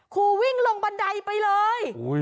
ครูวิ่งลงบันไดไปเลย